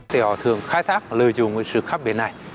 họ thường khai thác lời dùng của sự khác biệt này